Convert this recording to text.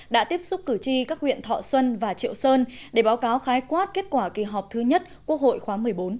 đã tiếp xúc cử tri các huyện thọ xuân và triệu sơn để báo cáo khái quát kết quả kỳ họp thứ nhất quốc hội khóa một mươi bốn